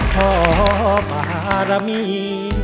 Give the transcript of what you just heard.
พ่อมหารมี